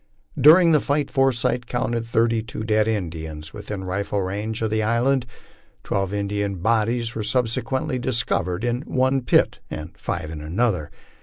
During the fight Forsyth counted thirty two dead Indians within rifle range of the island. Twelve Indian bodies were subsequently discovered in one pit, and five in another.